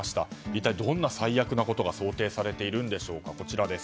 一体どんな最悪なことが想定されているんでしょうか。